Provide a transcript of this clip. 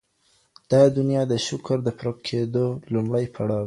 دا دنیا د شکر د پوره کېدو لومړی پړاو دی.